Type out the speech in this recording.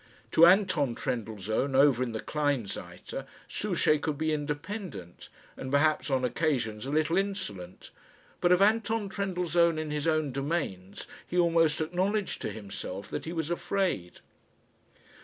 To Anton Trendellsohn, over in the Kleinseite, Souchey could be independent, and perhaps on occasions a little insolent; but of Anton Trendellsohn in his own domains he almost acknowledged to himself that he was afraid.